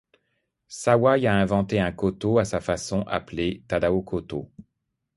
Sawai a inventé un koto à sa façon appelé Tadao koto.